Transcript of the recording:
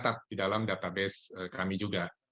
itu dicatat di dalam database kami juga